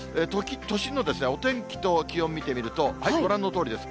都心のお天気と気温見てみると、ご覧のとおりです。